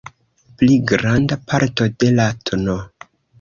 Pli granda parto de la tn.